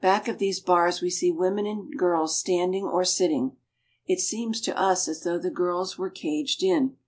Back of these bars we see women and girls standing or sitting. It seems to us as though the girls were caged in.